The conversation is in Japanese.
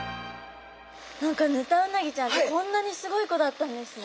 何かヌタウナギちゃんってこんなにすごい子だったんですね。